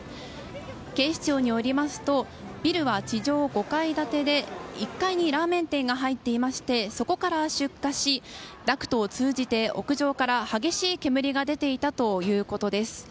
警視庁によりますとビルは地上５階建てで１階にラーメン店が入っていましてそこから出火し、ダクトを通じて屋上から激しい煙が出ていたということです。